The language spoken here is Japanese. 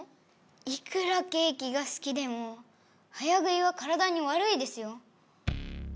いくらケーキがすきでも早食いは体にわるいですよ。